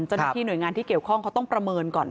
เจ้าหน้าที่หน่วยงานที่เกี่ยวข้องเขาต้องประเมินก่อน